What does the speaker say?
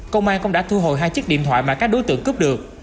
công an cũng đã thu hồi hai chiếc điện thoại mà các đối tượng cướp được